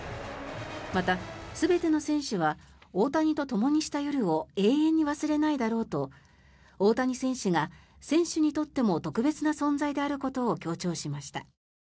また、全ての選手は大谷とともにした夜を永遠に忘れないだろうと大谷選手が選手にとっても特別な存在であることも強調しました。